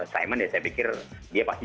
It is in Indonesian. simon ya saya pikir dia pasti